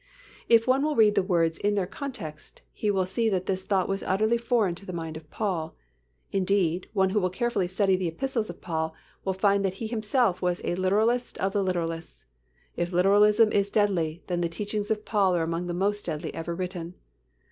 If one will read the words in their context, he will see that this thought was utterly foreign to the mind of Paul. Indeed, one who will carefully study the epistles of Paul will find that he himself was a literalist of the literalists. If literalism is deadly, then the teachings of Paul are among the most deadly ever written.